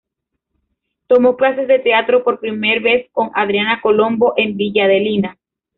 Tomo clases de teatro por primer vez con Adriana Colombo en Villa Adelina.